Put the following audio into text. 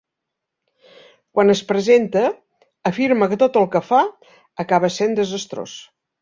Quan es presenta, afirma que tot el que fa "acaba sent desastrós".